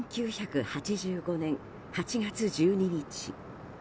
１９８５年８月１２日。